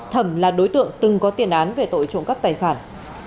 thẩm là đối tượng từng có tiền án về tội trộm cắp tài sản